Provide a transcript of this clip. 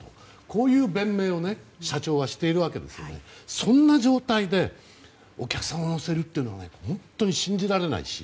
こういう弁明を社長はしているわけですけどそんな状態でお客さんを乗せるというのが本当に信じられないし。